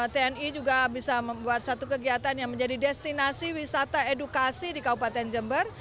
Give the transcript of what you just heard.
tni juga bisa membuat satu kegiatan yang menjadi destinasi wisata edukasi di kabupaten jember